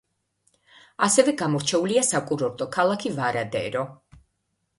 ასევე გამორჩეულია საკურორტო ქალაქი ვარადერო.